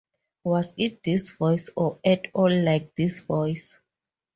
Was it this voice, or at all like this voice?